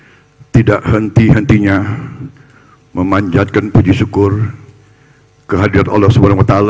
saya tidak henti hentinya memanjatkan puji syukur kehadirat allah swt